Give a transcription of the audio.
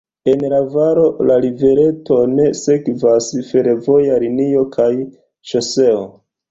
En la valo la rivereton sekvas fervoja linio kaj ŝoseo.